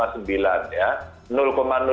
sekiannya agak sedikit berbeda